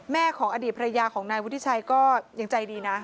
ของอดีตภรรยาของนายวุฒิชัยก็ยังใจดีนะ